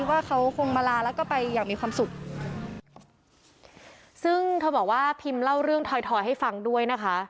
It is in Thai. ว่าเขาคงมาลาแล้วก็ไปอย่างมีความสุขซึ่งเธอบอกว่าพิมพ์เล่าเรื่องถอยทอยให้ฟังด้วยนะคะ